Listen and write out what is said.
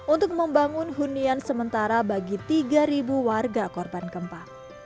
untuk membangun hunian sementara bagi tiga warga korban gempa